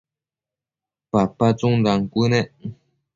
papa tsundan cuënec